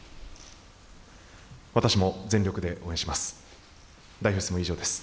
私も全力で応援します。